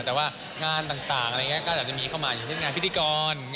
แต่ว่างานต่างก็จะมีเข้ามาอย่างเช่นงานพิธีกร